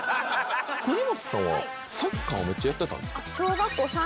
国本さんはサッカーをめっちゃやってたんですか？